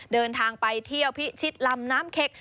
เดินทางไปเที่ยวพิชิตลำน้ำเข็ก